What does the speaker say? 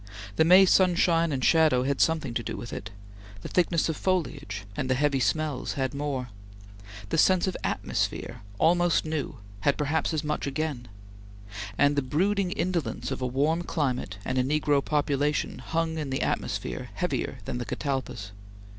The May sunshine and shadow had something to do with it; the thickness of foliage and the heavy smells had more; the sense of atmosphere, almost new, had perhaps as much again; and the brooding indolence of a warm climate and a negro population hung in the atmosphere heavier than the catalpas.